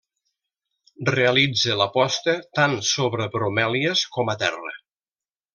Realitza la posta tant sobre bromèlies com a terra.